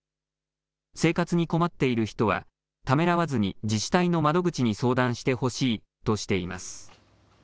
生活に困っている人はためらわずに自治体の窓口に相談してほしいとしています。